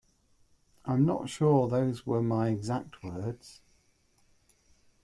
I'm not sure those were my exact words.